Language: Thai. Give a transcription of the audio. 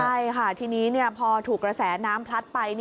ใช่ค่ะทีนี้พอถูกกระแสน้ำพลัดไป